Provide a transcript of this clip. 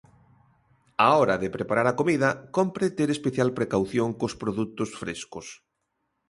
Á hora de preparar a comida, cómpre ter especial precaución cos produtos frescos.